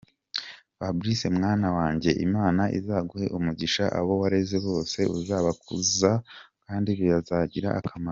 Fabrice mwana wanjye Imana izaguhe umugisha abo wareze bose uzabakuza kandi bazagira akamaro”.